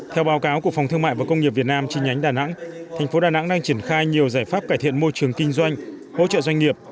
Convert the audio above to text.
theo báo cáo của phòng thương mại và công nghiệp việt nam chi nhánh đà nẵng thành phố đà nẵng đang triển khai nhiều giải pháp cải thiện môi trường kinh doanh hỗ trợ doanh nghiệp